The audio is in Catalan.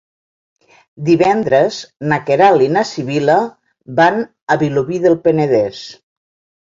Divendres na Queralt i na Sibil·la van a Vilobí del Penedès.